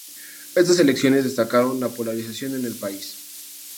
Estas elecciones destacaron la polarización en el país.